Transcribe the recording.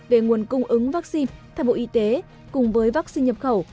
về nguồn cung ứng vaccine theo bộ y tế cùng với vaccine nhập khẩu